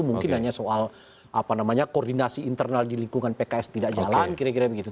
mungkin hanya soal koordinasi internal di lingkungan pks tidak jalan kira kira begitu